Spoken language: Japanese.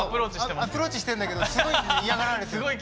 アプローチしてるんだけどすごい嫌がられてんの。